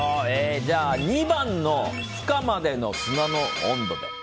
じゃあ、２番のふ化までの砂の温度で。